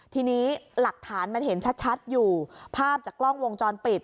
ทีนี้หลักฐานมันเห็นชัดอยู่ภาพจากกล้องวงจรปิด